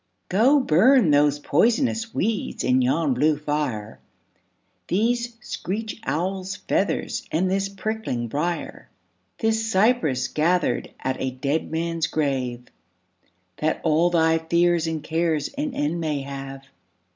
Go burn those poisonous weeds in yon blue fire, These screech owl's feathers and this prickling briar, This cypress gathered at a dead man's grave, That all thy fears and cares an end may have.